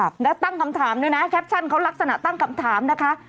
แล้วตั้งคำถามด้วยนะแคปชั่นเขาลักษณะตั้งคำถามนะคะ